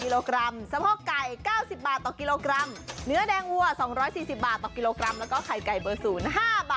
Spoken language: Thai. และพร้อมร้อนการเงียบ